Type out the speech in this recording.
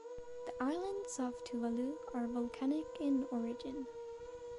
The islands of Tuvalu are volcanic in origin.